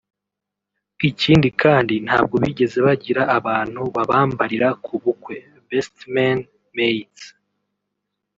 Ikindi kandi ntabwo bigeze bagira abantu babambarira ku bukwe (best men/maids)